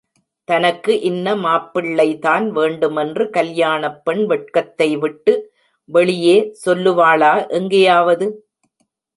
தனக்கு இன்ன மாப்பிள்ளை தான் வேண்டுமென்று கல்யாணப் பெண் வெட்கத்தை விட்டு வெளியே சொல்லுவாளா எங்கேயாவது?